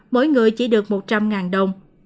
mỗi người chỉ được một trăm linh đồng